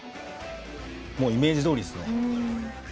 もうイメージどおりですね。